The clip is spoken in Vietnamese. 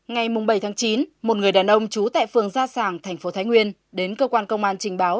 ngày bảy chín một người đàn ông trú tại phường gia sàng thành phố thái nguyên đến cơ quan công an trình báo